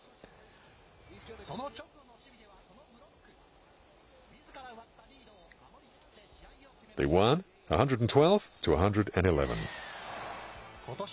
その直後の守備では、このブロック。みずから奪ったリードを守りきって試合を決めました。